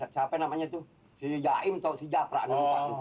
siapa namanya tuh si jaim atau si jafra nama nama